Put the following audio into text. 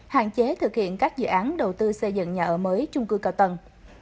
hạn chế thực hiện các dự án đầu tư xây dựng nhà ở mới trung cư cao tầng